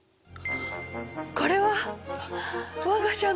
これは我が社の。